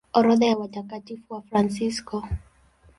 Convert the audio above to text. Orodha ya Watakatifu Wafransisko